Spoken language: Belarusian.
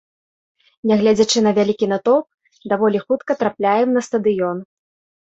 Нягледзячы на вялікі натоўп, даволі хутка трапляем на стадыён.